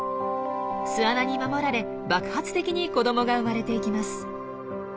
巣穴に守られ爆発的に子どもが生まれていきます。